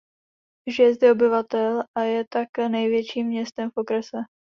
Žije zde obyvatel a je tak největším městem v okrese.